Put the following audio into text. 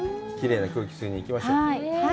きれいな空気を吸いに行きましょう。